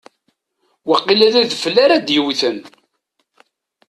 Waqila d adfel ara d-yewwten.